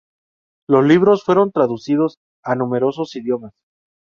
Los libros fueron traducidos a numerosos idiomas.